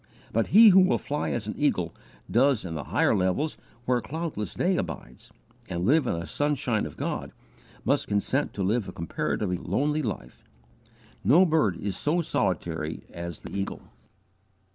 But he who will fly as an eagle does into the higher levels where cloudless day abides, and live in the sunshine of God, must consent to live a comparatively lonely life. No bird is so solitary as the eagle.